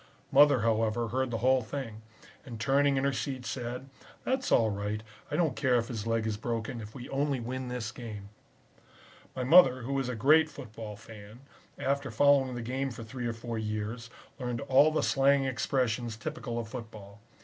Mother, however, heard the whole thing, and turning in her seat said, 'That's all right, I don't care if his leg is broken, if we only win this game.' "My mother, who is a great football fan, after following the game for three or four years, learned all the slang expressions typical of football.